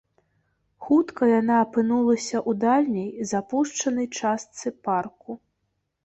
Хутка яна апынулася ў дальняй, запушчанай частцы парку.